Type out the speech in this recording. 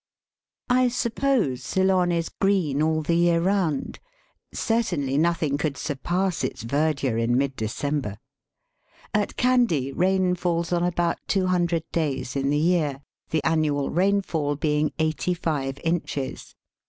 I suppose Ceylon is green all the year round. Certainly nothing could surpass its verdure in mid December. At Kandy rain falls on about two hundred days in the year, the annual rain fall being eighty five inches.